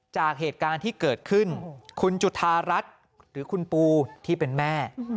จากเหตุการณ์ที่เกิดขึ้นคุณจุธารัฐหรือคุณปูที่เป็นแม่